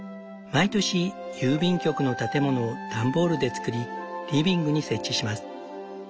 毎年郵便局の建物を段ボールで作りリビングに設置します。